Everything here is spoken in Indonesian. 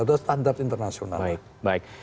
itu standar internasional baik